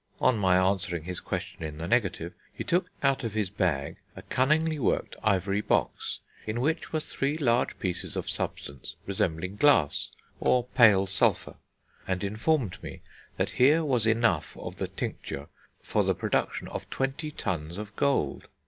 On my answering his question in the negative, he took out of his bag a cunningly worked ivory box, in which were three large pieces of substance resembling glass, or pale sulphur, and informed me that here was enough of the tincture for the production of twenty tons of gold.